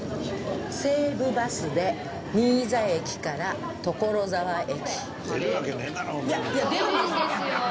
西武バスで新座駅から所沢駅。